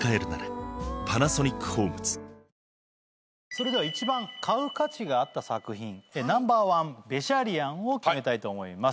それでは一番買う価値があった作品Ｎｏ．１べしゃりアンを決めたいと思います。